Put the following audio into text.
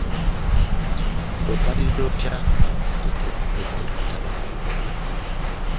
Obalirira otya okufiirizibwa okwaleetebwa amataba?